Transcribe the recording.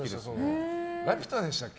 「ラピュタ」でしたっけ。